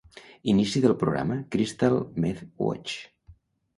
Inici del programa Crystal Meth Watch...